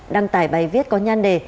đăng tải bài viết có nhan đề